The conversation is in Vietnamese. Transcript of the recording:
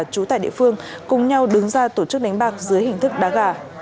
trú tại địa phương cùng nhau đứng ra tổ chức đánh bạc dưới hình thức đá gà